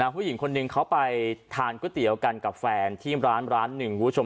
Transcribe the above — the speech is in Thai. ผู้หญิงคนหนึ่งเขาไปทานก๋วยเตี๋ยวกันกับแฟนที่ร้าน๑วูชม